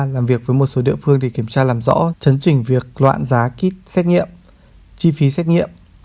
làm việc với một số địa phương để kiểm tra làm rõ chấn trình việc loạn giá kýt xét nghiệm chi phí xét nghiệm